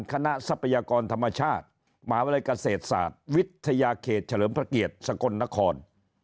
ทรัพยากรธรรมชาติมหาวิทยาลัยเกษตรศาสตร์วิทยาเขตเฉลิมพระเกียรติสกลนคร